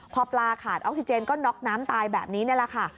พอปลาขาดออกซิเจนก็น็อกน้ำตายแบบนี้นี่แหละค่ะ